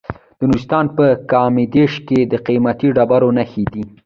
د نورستان په کامدیش کې د قیمتي ډبرو نښې دي.